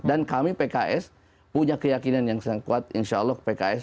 dan kami pks punya keyakinan yang sangat kuat insya allah pks memberi kontribusi terhadap kita